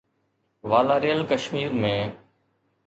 والاريل ڪشمير ۾